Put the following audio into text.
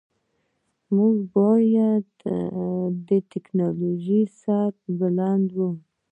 موږ باید د تکنالوژی سره بلد وو